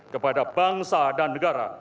kepada bangsa dan negara